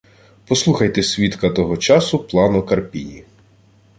Послухайте свідка того часу Плано Карпіні: